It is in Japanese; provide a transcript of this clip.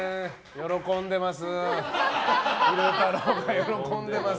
喜んでます。